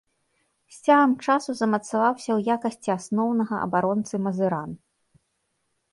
З цягам часу замацаваўся ў якасці асноўнага абаронцы мазыран.